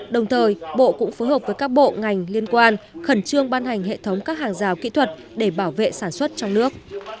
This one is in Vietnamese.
đồng thời bộ cũng phối hợp với các bộ ngành liên quan khẩn trương ban hành hệ thống các hàng rào kỹ thuật để bảo vệ sản xuất trong nước